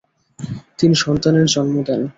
তিনি সন্তানের জন্ম দেন।